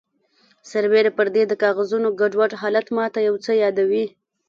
سربیره پردې د کاغذونو ګډوډ حالت ماته یو څه یادوي